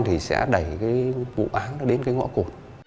thì sẽ đẩy cái vụ án đến cái ngõ cổ